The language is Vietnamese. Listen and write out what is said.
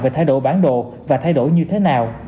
về thay đổi bản đồ và thay đổi như thế nào